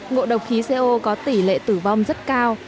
ngộ độc khí co có tỷ lệ tử vong rất cao